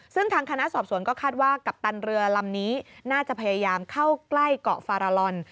ซึ่งทางคณะสอบสวนก็คาดว่ากัปตันเรือลำนี้น่าจะพยายามเข้าใกล้เกาะฟาราลอน